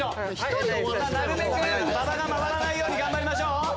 なるべくババが回らないように頑張りましょう。